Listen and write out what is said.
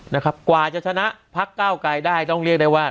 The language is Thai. นะครับกว่าจะชนะพักเก้าไกลได้ต้องเรียกได้ว่า